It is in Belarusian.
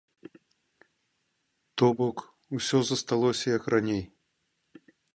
То бок, усё засталося, як раней.